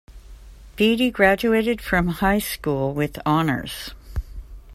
Beattie graduated from high school with honors.